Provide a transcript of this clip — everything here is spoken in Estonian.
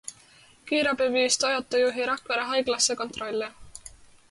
Kiirabi viis Toyota juhi Rakvere haiglasse kontrolli.